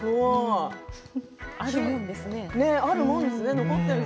あるもんですね。